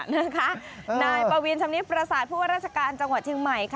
นายปวีนชำนิดประสาทผู้ว่าราชการจังหวัดเชียงใหม่